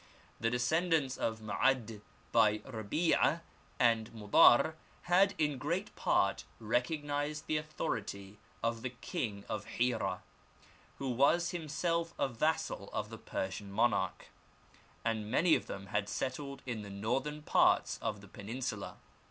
The descendants of Ma'add by Rabf ah and Modar had in great part recognised the authority of the king of Hira, who was himself a vassal of the Persian monarch, and many of them had settled in the northern parts of the peninsula.